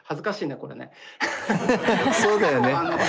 そうだよね。